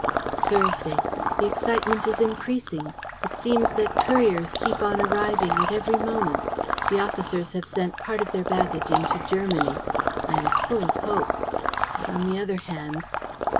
"Thursday. "The excitement is increasing. It seems that couriers keep on arriving at every moment. The officers have sent part of their baggage into Germany. I am full of hope. But, on the other hand.